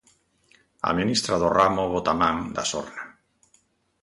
A ministra do ramo bota man da sorna.